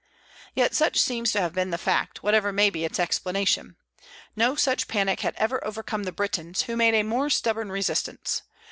Yet such seems to have been the fact, whatever may be its explanation. No such panic had ever overcome the Britons, who made a more stubborn resistance.